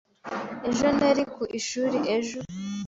Ejo nari ku ishuri ejo.